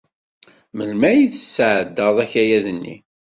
Melmi ay tesɛeddaḍ akayad-nni?